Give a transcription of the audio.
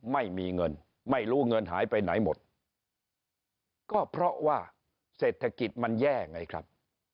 ไม่มีเงินไม่รู้เงินหายไปไหนหมดก็เพราะว่าเศรษฐกิจมันแย่ไงครับ